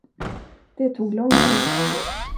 Det tog lång tid.